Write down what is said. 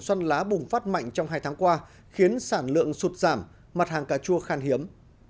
xăm lá bùng phát mạnh trong hai tháng qua khiến sản lượng sụt giảm mặt hàng cà chua khan hiếm